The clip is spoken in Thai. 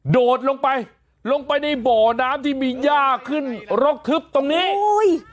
โดดลงไปลงไปในบ่อน้ำที่มีย่าขึ้นรกทึบตรงนี้โอ้ย